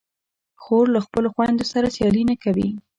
خور له خپلو خویندو سره سیالي نه کوي.